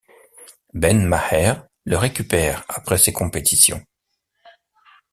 Ben Maher le récupère après ces compétitions.